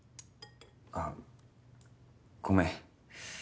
あごめん。